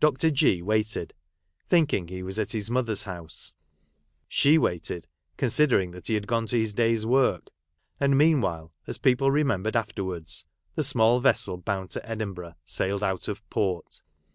Dr. G waited, thinking he was at his mother's house ; she waited, considering that he had gone to his day's work. And mean while, as people remembered afterwards, the small vessel bound to Edinburgh sailed out of port.